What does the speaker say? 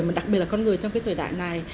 mà đặc biệt là con người trong cái thời đại này